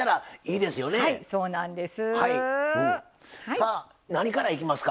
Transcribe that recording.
さあ何からいきますか？